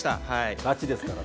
ガチですからね。